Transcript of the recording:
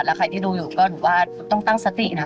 แล้วใครที่ดูอยู่ก็หนูว่าต้องตั้งสตินะ